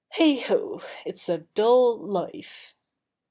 Heigh o! it's a dull life!"